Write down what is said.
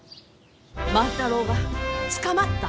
万太郎が捕まった？